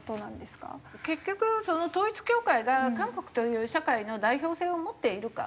結局統一教会が韓国という社会の代表性を持っているか。